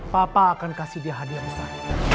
papa akan kasih dia hadiah besar